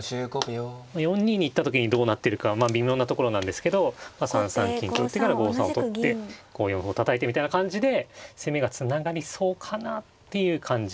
４二に行った時にどうなってるかはまあ微妙なところなんですけど３三金と打ってから５三を取って５四歩をたたいてみたいな感じで攻めがつながりそうかなっていう感じがしてきます。